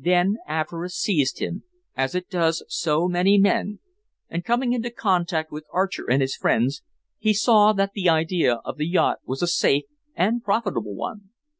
Then avarice seized him, as it does so many men, and coming into contact with Archer and his friends, he saw that the idea of the yacht was a safe and profitable one.